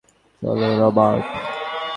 চলো, রবার্ট।